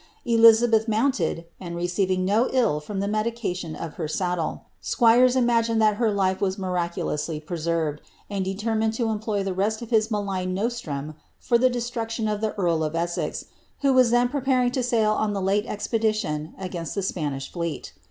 Elizabeth mounted, and receiving no ill from the medication of her saddle. Squires imagined that her life was miraculously preserved, and determined to employ tlie rcat of his malign nostrum for the de itmction of the earl of Essex, who was then preparing to sail on the hte expedition against the Spanish fleet.